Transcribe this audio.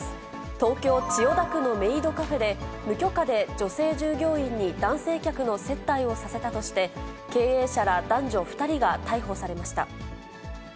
東京・千代田区のメイドカフェで、無許可で女性従業員に男性客の接待をさせたとして、経営者ら男女２人が逮捕されました。